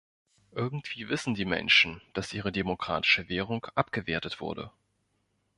Irgendwie wissen die Menschen, dass ihre demokratische Währung abgewertet wurde.